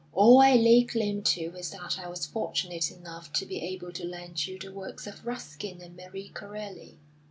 All I lay claim to is that I was fortunate enough to be able to lend you the works of Ruskin and Marie Corelli."